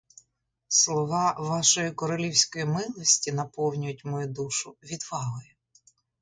Слова вашої королівської милості наповнюють мою душу відвагою.